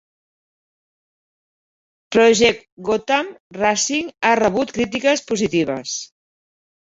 "Project Gotham Racing" ha rebut crítiques positives.